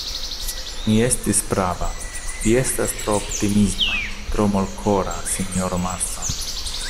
Mi estis prava; vi estas tro optimisma, tro molkora, sinjoro Marston.